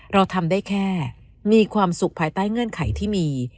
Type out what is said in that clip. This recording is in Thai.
เราทำได้แค่มีความสุขภายใต้เงื่อนไขที่มี